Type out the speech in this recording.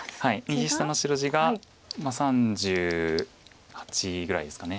右下の白地が３８ぐらいですか。